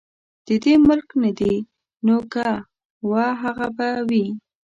د دې ملک نه دي نو که وه هغه به وي.